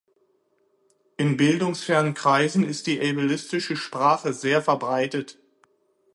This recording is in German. In bildungsfernen Kreisen ist ableistische Sprache sehr verbreitet.